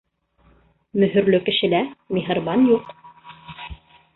Мөһөрлө кешелә миһырбан юҡ.